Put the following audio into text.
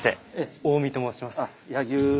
大見と申します。